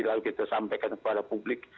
lalu kita sampaikan kepada publik